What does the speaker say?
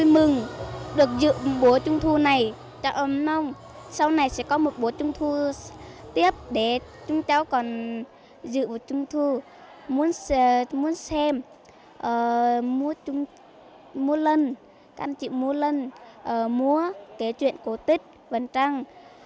muốn xem mua lần các em chị mua lần mua kể chuyện cổ tích văn trang